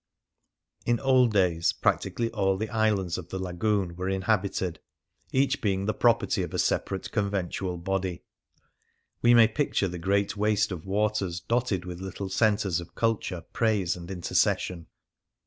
In old days practically all the islands of the Lagoon were inhabited, each being the property of a separate conventual body. We may picture the great waste of waters dotted with little centres of culture, praise, and intercession.